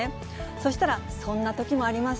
そしたら、そんなときもあります。